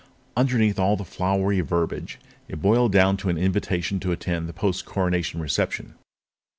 Underneath all the flowery verbiage, it boiled down to an invitation to attend the post Coronation reception.